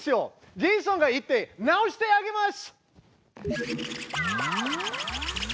ジェイソンが行って直してあげます！